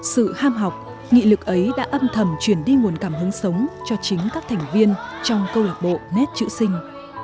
sự ham học nghị lực ấy đã âm thầm truyền đi nguồn cảm hứng sống cho chính các thành viên trong câu lạc bộ nét chữ sinh